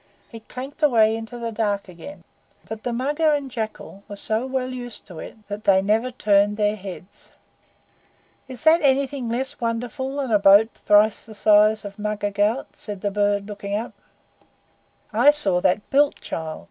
It clanked away into the dark again; but the Mugger and the Jackal were so well used to it that they never turned their heads. "Is that anything less wonderful than a boat thrice the size of Mugger Ghaut?" said the bird, looking up. "I saw that built, child.